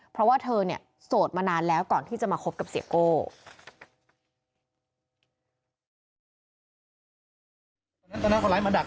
เพราะว่าเธอเนี่ยโสดมานานแล้วก่อนที่จะมาคบกับเสียโก้